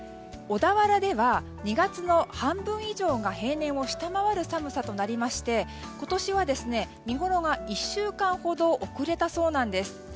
小田原では２月の半分以上が平年を下回る寒さとなりまして今年は、見ごろは１週間ほど遅れたそうなんです。